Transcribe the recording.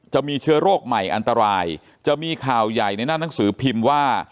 จะมีเชื้อโรคใหม่อันตรายจะมีข่าวใหญ่ในหน้าหนังสือพิมพ์ว่า